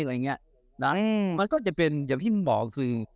อะไรอย่างเงี้ยนะมันก็จะเป็นอย่างที่ผมบอกคือ